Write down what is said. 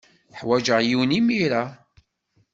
Ḥwajeɣ yiwen imir-a.